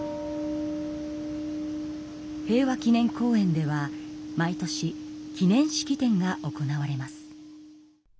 平和記念公園では毎年記念式典が行われます。